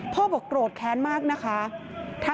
บอกโกรธแค้นมากนะคะ